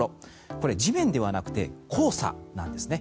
これ、地面ではなくて黄砂なんですね。